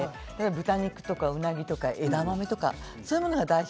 豚肉とか、うなぎとか枝豆とか、そういったものは。